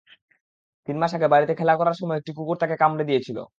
তিন মাস আগে বাড়িতে খেলা করার সময় একটি কুকুর তাকে কামড় দিয়েছিল।